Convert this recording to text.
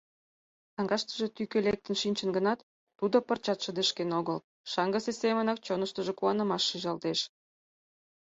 Саҥгаштыже тӱкӧ лектын шинчын гынат, тудо пырчат шыдешкен огыл, шаҥгысе семынак чоныштыжо куанымаш шижалтеш.